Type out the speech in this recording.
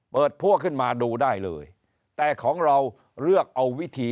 พวกขึ้นมาดูได้เลยแต่ของเราเลือกเอาวิธี